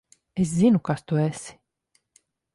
Es zinu, kas tu esi.